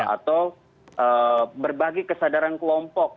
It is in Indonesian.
atau berbagi kesadaran kelompok